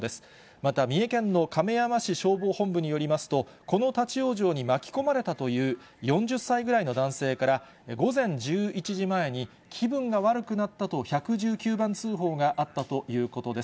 また三重県の亀山市消防本部によりますと、この立往生に巻き込まれたという４０歳ぐらいの男性から、午前１１時前に、気分が悪くなったと１１９番通報があったということです。